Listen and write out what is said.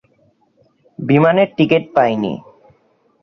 বিমানের টিকেট পাইনি।